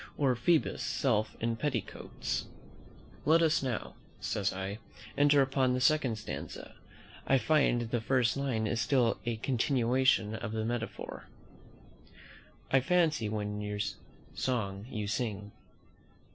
"'Or Phoebus' self in petticoats.'" "Let us now," says I, "enter upon the second stanza; I find the first line is still a continuation of the metaphor. "'I fancy when your song you sing.'"